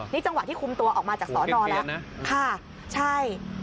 นี่จังหวะที่คุมตัวออกมาจากสอนอแล้วค่ะใช่